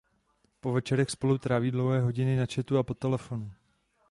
Po večerech spolu tráví dlouhé hodiny na chatu a po telefonu.